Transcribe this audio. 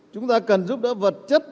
chúng ta cần giúp đỡ vật chất